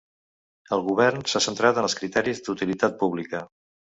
El govern s’ha centrat en els criteris d’utilitat pública.